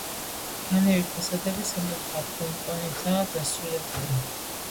განივი ფასადები სამკუთხა ფრონტონითაა დასრულებული.